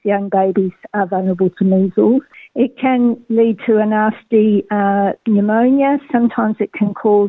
yang terjadi tujuh delapan tahun setelah infeksi measles